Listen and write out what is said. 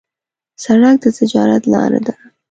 سړک د تجارت لاره ده.